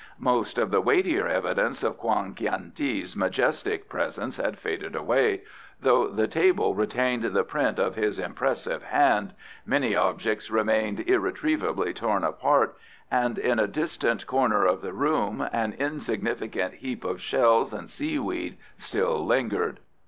Most of the weightier evidences of Kwan Kiang ti's majestic presence had faded away, though the table retained the print of his impressive hand, many objects remained irretrievably torn apart, and in a distant corner of the room an insignificant heap of shells and seaweed still lingered.